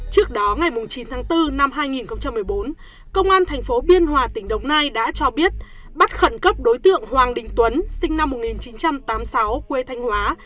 trước đó ngày chín tháng bốn năm hai nghìn một mươi bốn công an thành phố biên hòa tỉnh đồng nai đã cho biết bắt khẩn cấp đối tượng hoàng đình tuấn sinh năm một nghìn chín trăm tám mươi sáu quê thanh hóa